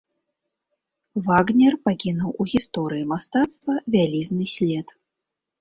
Вагнер пакінуў у гісторыі мастацтва вялізны след.